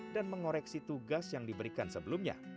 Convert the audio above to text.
dan mengoreksi tugas yang diberikan sebelumnya